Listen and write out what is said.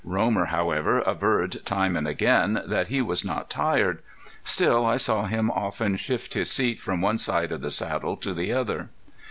Romer, however, averred time and again that he was not tired. Still I saw him often shift his seat from one side of the saddle to the other.